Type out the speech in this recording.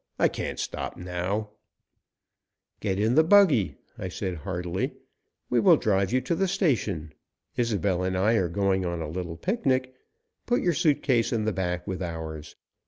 I can't stop now " "Get in the buggy," I said heartily, "we will drive you to the station. Isobel and I are going on a little picnic. Put your suit case in the back, with ours.